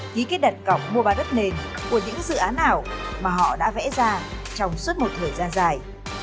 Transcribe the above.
ký kết đặt cọng mua bán đất nền của những dự án ảo mà họ đã vẽ ra trong suốt một thời gian dài